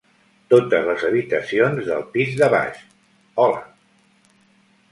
Totes les habitacions del pis de baix: Hola!